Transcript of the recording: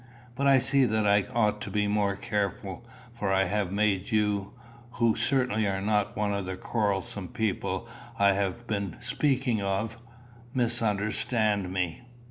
But I see that I ought to be more careful, for I have made you, who certainly are not one of the quarrelsome people I have been speaking of, misunderstand me."